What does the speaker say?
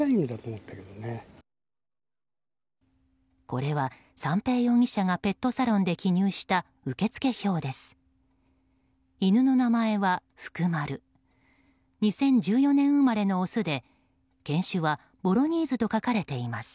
これは三瓶容疑者がペットサロンで記入した受付表です。